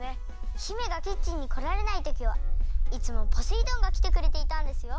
姫がキッチンにこられないときはいつもポセイ丼がきてくれていたんですよ。